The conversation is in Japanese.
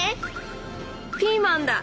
ピーマンだ。